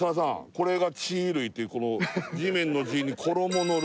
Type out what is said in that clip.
これが地衣類って地面の「地」に「衣」の「類」